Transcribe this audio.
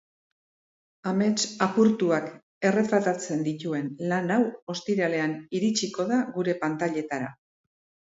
Amets apurtuak erretratatzen dituen lan hau ostiralean iritsiko da gure pantailetara.